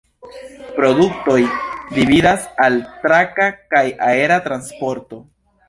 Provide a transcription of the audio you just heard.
Produktoj dividas al traka kaj aera transporto.